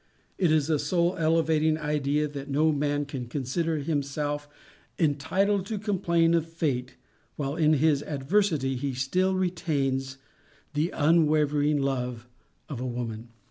It is the soul elevating idea that no man can consider himself entitled to complain of Fate while in his adversity he still retains the unwavering love of woman.